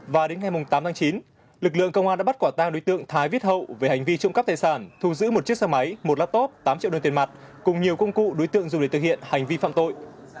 và đến ngày tám tháng chín lực lượng công an đã bắt quả tang đối tượng thái viết hậu về hành vi trộm cắp tài sản thu giữ một chiếc xe máy một laptop tám triệu đồng tiền mặt cùng nhiều công cụ đối tượng dùng để thực hiện hành vi phạm tội